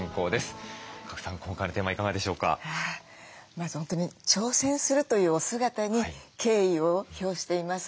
まず本当に挑戦するというお姿に敬意を表しています。